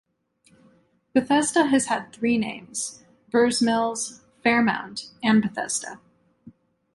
Bethesda has had three names: Burrs Mills, Fairmount, and Bethesda.